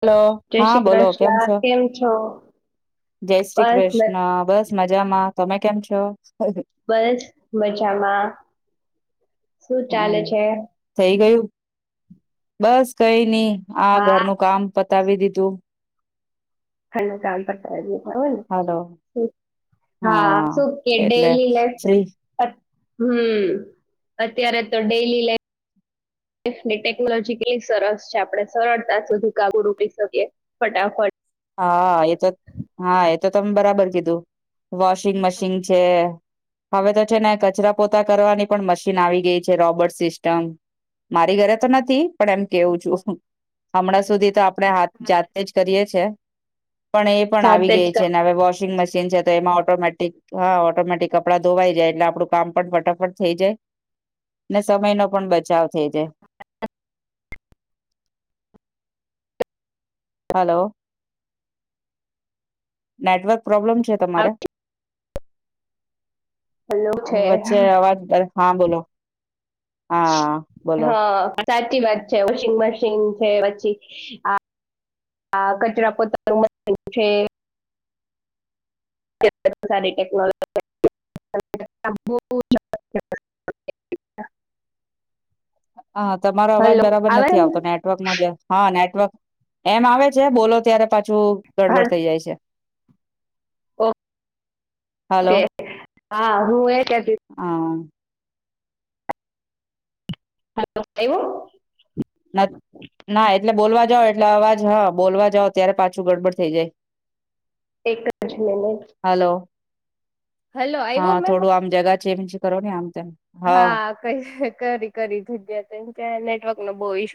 Hello જય હા શ્રી બોલો કેમ કૃષ્ણ છો છો જય શ્રી બસ કૃષ્ણ મ- બસ મજામાં. તમે કેમ છો? બસ મજામાં. શું ચાલે એમ છે થઈ ગયું. બસ કઈ નઈ હા ઘરનું કામ પ બતાવી દીધું ખંડ કામ પતાવી દેતા હોય ને હલો હા શું કે એટલે ડેઇલી ફ્રી લાઇફ હમ અત્યારે તો ડેલી લાઈફ ટેકનોલોજી કેટલી સરસ છે આપણે સરળતા સુધી કાબુ રૂકી શકીએ ફટાફટ હા એ તો હા. તો તમે બરાબર કીધું વોશિંગ મશીન છે હવે તો છે ને કચરા પોતા કરવાની પણ મશીન આવી ગઈ છે રોબોટ સિસ્ટમ મારી ઘરે તો નથી. પણ એમ કેવું છું હું. હમણાં સુધી તો આપડે હાથ જાતે જ કરીએ છીએ. પણ એ પણ આવી જાતે ગઈ જ છે કામ ને હવે વોશિંગ મશીન [unintelligible] તો એમાં ઓટોમેટિક હા ઑટોમેટિક કપડા ધોવાઈ જાય. એટલે આપડું કામ પણ ફટાફટ થઈ જાય ને સમયનો પણ બચાવ. થેય જાય. હલો. નેટવર્ક. પ્રોબ્લેમ છે તમારે? હેલો છે વચ્ચે અવાજ હા બોલો હા બોલો. હા સાચી વાત છે. વોશિંગ મશીન છે. પછી કચરા પોતાનું મશીન છે. સારી ટેકનો [unintelligible] હા તમારો અવાજ બરાબર આવે નથી ને આવતો નેટવર્કમાં જ હાને. એમ આવે છે બોલો ત્યારે પાછ છ હા ગડબડ થઈ જાય છે. હલો ઓકે હા હું એ કેતી. હા હલો એવું. ના એટલે બોલવા જાવ એટલે અવાજ હા બોલવા જાવ ત્યારે પાછું ગડબડ થઈ જાય. એક જ મિનટ. હલો હા થોડું આમ જગ. ચેન્જ કરો ને આમ. હા, કઈ કરી કરી જગ્યા ત્યાં નેટવર્ક નો બહુ ઈશ્યુ્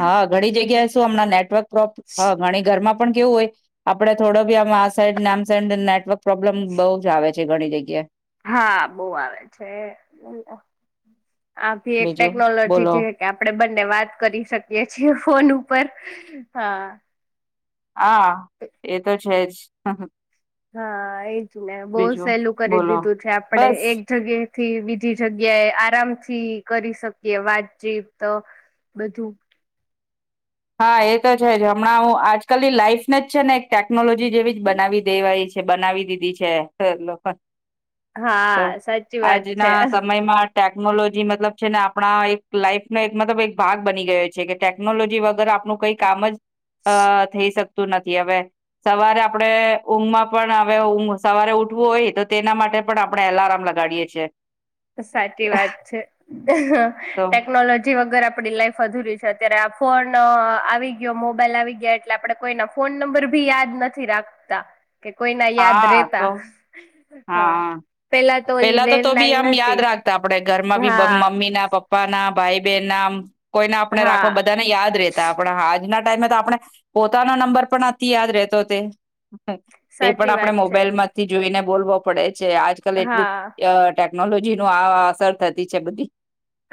હા, ઘણી જગ્યાએ શું હમણાં નેટવર્ક પ્રોબ્ હ.. ઘણી ઘરમાં પણ કેવું હોય આપણે થોડો બી આમાં આ સાઈડ આમસાઈડ નેટવર્ક પ્રોબ્લેમ બહુ જ આવે છે, ઘણી જગ્યા હા બહુ આવે છે આ ભી એક બીજું ટેક્નોલોજી બોલો છે કે આપણે બધા વાત કરી શકીએ છીએ ફોન ઉપર હા હા એ તો છે જ હહ હા એજ ને બહુ સહેલું કરી બોલો દીધું છે આપણે બસ એક જગ્યા થી બીજી જગ્યાએ આરામથી કરી શકીએ વાતચીતો બધું હા એ તો છે જ હમણાં હું આજકાલ લાઈફ ને જ છે ને એક ટેક્નોલોજી જેવી જ બનાવી દેવાય છે. બનાવી દીધી છે તો હા સાચી વાત છે આજના સમયમાં ટેકનોલોજી મતલબ છે ને આપણા એક લાઈફનો એક મતલબ એક ભાગ બની ગયો છે કે ટેકનોલોજી વગ વગર આપનું કઈ કામ જ અ થઈ શક્ તું નથી. હવે સવારે આપણે ઊંઘમાં પણ હવે ઘ સવારે ઉઠવું હોય તો તેના માટે પણ આપણે અલાર્મ લગાડીએ છીએ. સાચી વાત છે તો ટેક્નોલોજી વગર આપણી લાઈફ અધુરી અત્યારે ફોન આવી ગયો મોબાઈલ આવી ગયા એટલે આપણે કોઈના ફોન નંબર બી યાદ નથી રાખતા. કે કોઈ ના યાદ હા રેતા તો હા ઓલી પેલા તો તો ભી આમ લેન્ડલાઈન યા હતી યાદ રાખતા. આપણે ઘરમાં બી હા મમ્મી ના પપ્પા પપ્પા ના, ભાઈ બહેન ના કોઈને આપણે હા રાખવા બધાને યાદ રહેતા પણ આજના ટાઈમે તો આપણે પોતાનો નંબર પણ નથી યાદ રહેતો તે તે સાચી પણ આપણે વાત છે મોબાઈલ માંથી જોઈને બોલવો પડે છે આજકાલ એટલું અ.. ટેક્..... હા ટેકનોલોજીની આ અસર થતી છે બધી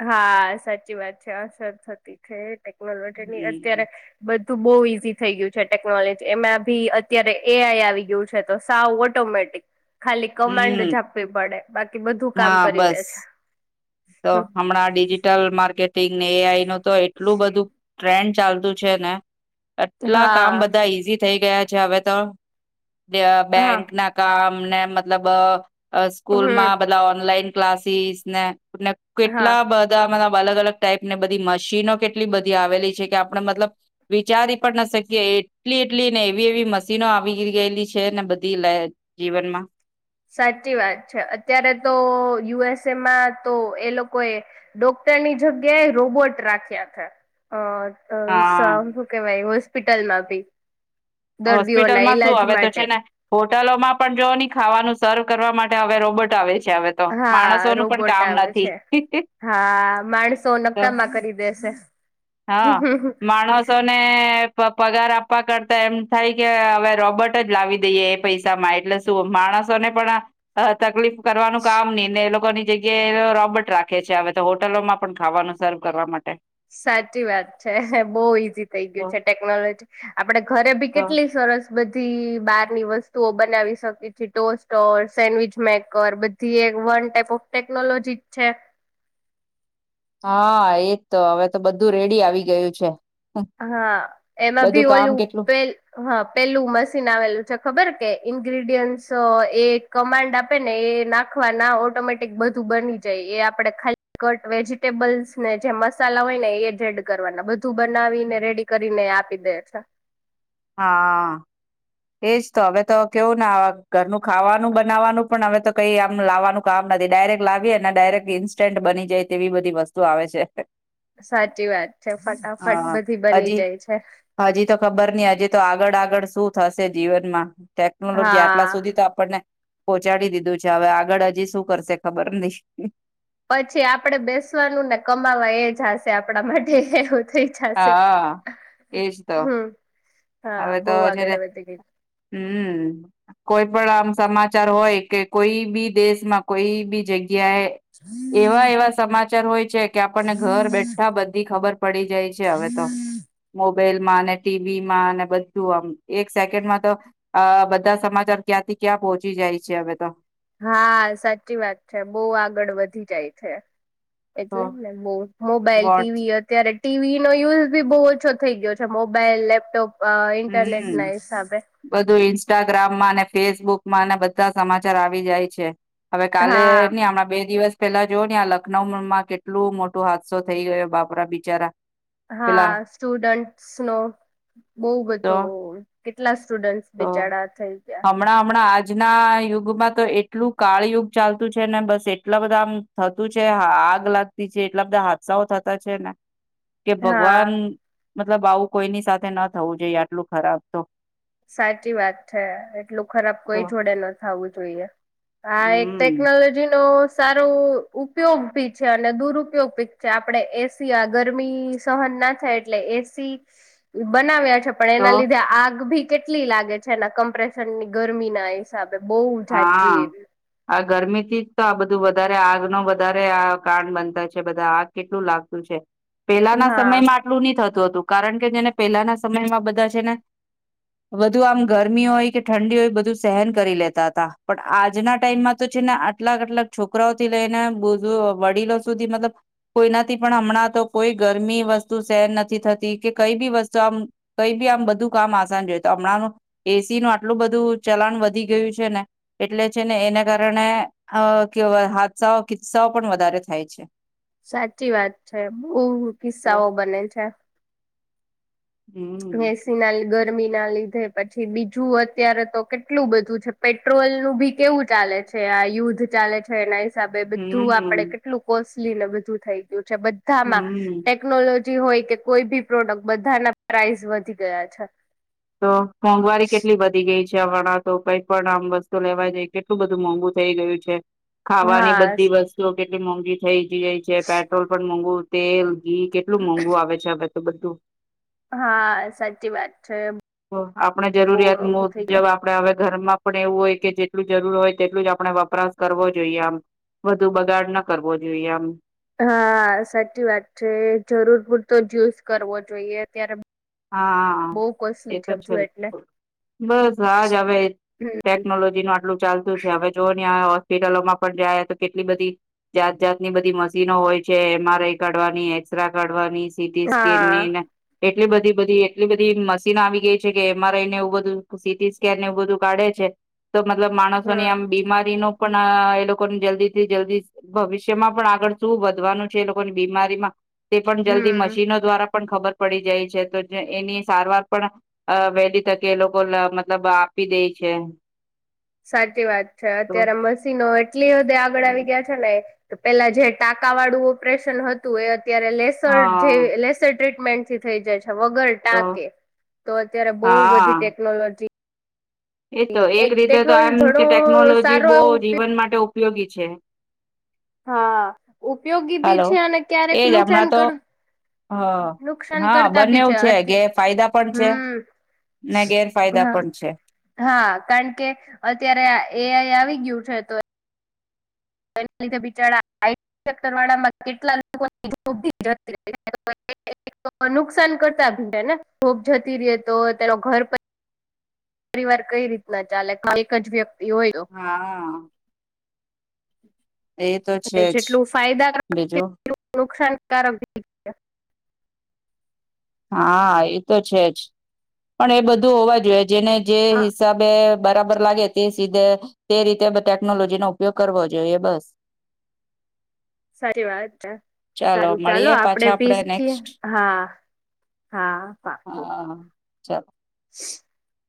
હા સાચી વાત છે અસર થતી છે ટેક્નોલોજી ની અત્યારે હમ બધ્ તો બહુ ઈઝી થઈ ગયું છે ટેકનોલોજી એમાં બી અત્યારે એઆઈ આવી ગયું છે તો સાવ ઓટોમેટિક ખાલી કમાન્ડ હમ જ આપવી પડે બાકી બધું કામ હા કરી દે બસ છે તો હમ. હમણાં ડિજિટલ માર્કેટિંગને એ આઈ નું તો એટલું બધું ટ્રેન્ડ ચાલતું છે ને આટલા કામ હા બધા ઈઝી થઈ ગયા છે હવે તો- હા બેંક ના કામ અમને મતલબ અ સ્કૂલ માં હમ બધા ઓનલાઈન ક્લાસીસને હા કેટલા બધા મ અલગ અલગ ટાઈપ ને બધી મશીનો કેટલી બધી આવેલી છે કે આપણે મતલબ, વિચારી પણ ના શકીએ એટલી એટલી ને એવી એવી મશીનો આવી ગયેલી છે ને બધી લ જીવનમાં. સાચી વાત છે અત્યારે તો યુ એસ એમાં તો એ લોકોએ, ડોક્ટરની જગ્યાએ રોબોટ રાખ્યા છે, અ અ હા સું કે ભાઈ મસ્ત હોસ્પિટલમાં ભી. દર્દીઓના હોસ્પિટલમાં શું ઈલાજ હવે તો માટે છે ને, હોટલોમાં પણ જોઓ ન ખાવાનું સર્વ કરવા માટે હવે રોબોટ આવે છે. હવે તો હા માણસોનું પણ રોબોટ કામ આવે નથી છે, હા માણસો તો નક્કામાં કરી દેશે. હા માણસો ને પગાર આપવા કરતા એમ થાય કે હવે રોબર્ટ જ લાવી દઈએ એ પૈસામાં એટલે શું માણસોને પણ, તકલીફ કરવાનું કામ નહી ને એ લોકો લોકોની જગ્યાએ રોબર્ટ રાખે છે હવે તો હોટલો માં પણ ખાવાનું સર્વ કરવા માટે. સાચી વાત છે બહુ ઈઝી થઈ ગયું છે ટેકનોલોજી, આપડે ઘરે ભી કેટલી સરસ બધી બારની વસ્તુઓ બનાવી શકી છે ટોસ્ટર સેન્ડવીચ મેકર બધી એ વન ટાઈપ ઓફ ટેકનોલોજી છે. હા એજ તો હવે તો બધું રેડી આવી ગયું છે. હા એમાં બધું ભી કામ ઓલું કેટલું પ હા પેલું મશીન આવેલું છે ખબર કે ઇન્ગ્રીડિયન્ટ તો એ કમાન્ડ આપે ને એ નાખવાના ઓટોમેટિક બધું બની જાય એ આપડે ખાલી કટ વેજીિટેબલ્સ ને જે મસાલા હોય ને એ જ એડ કરવાના બધું બ બનાવીને રેડી કરીને આપી દે છે. હા. એજ તો હવે તો કેવું ને ઘરનું ખાવાનું બનાવવાનું પણ હવે તો કઈ આમ લાવવાનું કામ નથી ડાયરેક્ટ લાવીએ અનેને ડાયરેક્ટ ઈન્સ્ટન્ટ બની જાય તેવી બધી વસ્તુ આવે છે. સાચી વાત છે ફટાફટ હા, બધી બની હજી જાય છે હજી તો ખબર નહ હજી તો આગળ આગળ શું થશે જીવનમા. ટેકનોલોજી આટલા હા સુધી તો આપણને પોહોંચાડી દીધું છે હવે આગળ હજી શું કરશે ખબર નહી. પછી આપડે બેસવાનું ને કમાવા એ જ હશે. આપણા માટે એવું થઈ જશે હા એજ તો હમ. હા હવે બહુ તો આગળ જ્યારે આવે તે ગીત. હમ કોઈ પણ આમ સમાચાર હોય કે કોઈ બી દેશમાં કોઈ બી જગ્યા જગ્યા એવા એવા સમાજ ાર હોય છે. કે આપણને ઘર બેઠા બધી ખબરકેમ પડી જાય છે હવે તો મો બાઈલ માને ટીવીી માને બધું આમ એક સેકન્ડમાં તો બધા સમાચાર ક્યાંથી ક્યાં પહોંચી જાય છે હવે તો હા સાચી વાત છે બહુ આગળ વધી જાય છે તો એટલે ને બ મોબાઈલ વોટ ટીવી અત્યારે ટીવી નો યુઝ બી બહુ ઓછો થઈ ગયો છે મોબાઈલ લેપટોપ અ ન્ટરનેટ ન હમ હિસાબે બધું ઇન્સ્ટાગ્રામમાં અને ફેસબુકમાં ને બધા સમાચાર આવી જાય છે હવે કાલે ની હા હમણાં બે દિવસ પેલા જોવ ને આ લખનઉમાં કેટલું મોટો હાદસો થઈ ગયો બાપરા બિચારા પેલા હા સ્ટુડન્ટસ નો બહ બધું તો કેટલા સ્ટુડન્ટ તો બિચાર થઈ ગયા હમણાં હમણાં આજના યુગમાં તો એટલું કાળ યુગ ચાલતું છે ને બસ એટલા બધા આમ થતું છે આગ લાગતી છે એટલા બધા હાદસાઓ થતા છે ને કે હા ભગવાન મતલબ આવું કોઈની સાથે ન થવું જોઈએ આટલું ખરાબ તો સાચી વાત છે એટલું ખરાબ તો કોઈ જોડે નથી ખાવું જોઈએ. આ એક હમ ટેકનોલોજી નો સારો ઉપયોગ ભી છે અને દુરપયોગી છે આપડે એસી આ ગરમી સહન ના થાય એટલે એસી બનાવ્યા પણ તો એના લીધે આગ ભી કેટલી લાગે છે એના કમ્પ્રેશન ની ગરમી ના હસાબે બહુ જજી એવી ગરમી થી જ તો આ બધું વધારે આગ ન વધારે આ કારણ બનતા છે બધા આગ કેટલું લાગતું છે પેલાના હા સમયમાં આટલું નહ થતું. કારણ કે જેને પેલાના સમયમાં બધા છે ને વધુ આમ ગરમી હોય કે ઠંડી હોય બધું સહેન કરી લેતા હતા. પણ આજના ટાઈમમાં તો છે ને આટલા આટલાક છોકરાઓથી લઈને બ વડીલો સુધી મતલબ કોઈનાથી પણ હમણાં તો કોઈ ગરમી વસ્તુ સેન નથી થતી કે કઈ બી વસ્તુ આમ કઈ બી આમ બધું કામ આસાન જોય હમણાં એસી નું આટલું બધું ચલાણ વધી ગયું છે ને એટલે છે ને એને કારણે અ હાદસાઓ કિસ્સાઓ પણ વધારે થાય છે. સાચી વાત છે બહુ કિસ્સાઓ બને છે. હમ વસી ના ગર ગરમી ના લીધે પછી બીજું અત્યારે તો કેટલું બધું છે પેટ્રોલ નું બી કેવું ચાલે છે આ યુદ્ધ ચાલે છે. હિસાબે બધું આપડે હમ કેટલું કોસ્ટ ને બધું થઈ ગયું. બધામાં હમ ટેકનોલોજી. હોય કે કોઈ બી પ્રોડક્ટ બધાના પ્રાઇઝ વધી ગયા છે. તો મોંઘવારી કેટલી વધી ગઈ છે. વાળ તો કઈક પણ આમ વસ્તુ લેવા જાય કેટલું બધું મોંઘુ થઇ ગયું છે. ખાવાની હા બધી વસ્તુ કેટલી મોંઘી થઈ. જાય છે પેટ્રોલ પણ મોંઘું તેલ. કેટલું મોંઘુ આવે છે આ બધ બધું. હા સાચી વાત. છે તો આપણે બહુ જરૂરિયાત મો મોઘું થઈ જબ આપડે હ ઘર માં પણ એવું હોય કે જેટલું જરૂર હોય તેટલું જ આપણે વપરાશ કરવો જોઈએ આમ વધુ બગાડ ના કરવો જોઈએ આમ. હા સાચી વાત છે જરૂર પૂરતો જ્યુસ કરવો જોઈએ ત્યારે હા એ તો છે બધું એટલે બસ હાજ હવે ટેકનોલોજી ન આટલું ચાલતું છે હવે જો ન હોસ્પિટલોમાં પણ જાય તો કેટલી બધી જાત જાતની બધી મશીનો હોય છે એમઆરઆઈ કાઢવાની એક્સરે કાઢવાની સિટી સ્કેન હા ને એટલી બધી બધી એટલી બધી મશીન આવી ગઈ છે કે એમઆરઆઈ ને એવું બધું સીટી સ્કેન ને એવું બધું કાઢે છે. તો મતલબ હમ માણસોની આમ બીમારી ન પણ એ લોકોને જલ્દી થી જલ્દી ભવિષ્યમાં પણ આગળ શું વધવાનું છે એ લોકોની બીમારીમાં તે પણ જલ્દી હમ મશીનો દ્વારા પણ ખબર પડી જાય છે તો એની સારવાર પણ વહેલી તકે એ લોકો મતલબ આપી દે છે. સાચી વાત. છે તો અત્યારે મસીનો કેટલી બધે આગળ આવી ગયા છે. પેલા જે ટાકા વાળું ઓપરેશન હતું એ ત્યારે લેસર જે હા લેસ ટટ મેન્ટથી થઈ જાય છે વગર તો ટાકે તો અત્યારે બો બધી હા ટેકનોલોજી એ તો એક રીતે તો આમ ટેકનોલોજી કે ઘણો ટેકનોલોજી સારો બો એવો ઉપયોગ જીવન માટે ઉપયોગી છે હા ઉપયોગી બી હાલો છે અને ક્યારેક એજ નુકસાન હમણાં તો કર હ નુકસાન હા કરતા બી બંનેવ છે ગેરફાયદા પણ છે હમ ને ગેરફાયદા હા પણ છે હા કારણ કે અત્યારે આ એઆઈ આવી ગયું છે તો એના લીધે બિચાર [unintelligible] વાળામાં કેટલા નુકસાન કરતાી [unintelligible] તો તેનો ઘર પરિવાર કઈ રીતના ચાલે એક જ વ્યક્તિ હોય તો હા એ તો અને છે જ જેટલું ફાયદાકારક છે બીજું એટલું નુકસાન કરાક ભી છે હા એ તો છે જ પણ એ બધું હોવા જોઈએ જેને જે હા હિસાબે બરાબર લાગે તે સીધે તે રીતે ટેકનોલોજી નો ઉપયોગ કરવો જોઈએ બસ સાચી વાત છે સારું ચાલો મળીએ આપડે પાછા ભી શીખીએ નેક્સ્ટ હા હા પાકું ચાલ [inaudible]